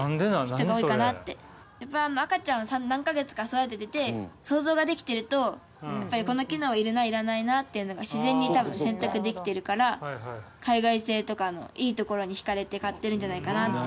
やっぱ赤ちゃん何カ月か育てていて想像ができてるとやっぱりこの機能いるないらないなっていうのが自然に多分選択できてるから海外製とかのいいところに惹かれて買ってるんじゃないかなって。